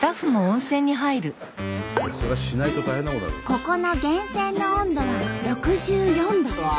ここの源泉の温度は６４度。